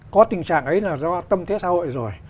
có tình trạng ấy là do tâm thế xã hội rồi